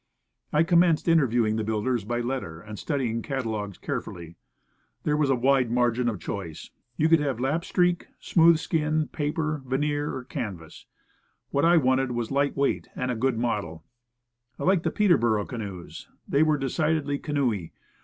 I com menced interviewing the builders by letter, and studying catalogues carefully. There was a wide i 34 Woodcraft, margin of choice. You could have lapstreak, smooth skin, paper, veneer, or canvas. What I wanted was light weight, and good model. I liked the Peterboro canoes; they were decidedly canoey.